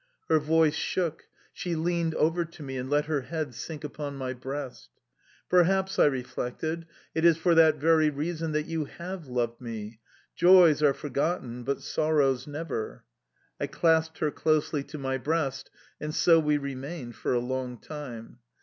Her voice shook; she leaned over to me, and let her head sink upon my breast. "Perhaps," I reflected, "it is for that very reason that you have loved me; joys are forgotten, but sorrows never"... I clasped her closely to my breast, and so we remained for a long time.